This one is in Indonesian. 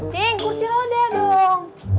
cing kusil lo udah dong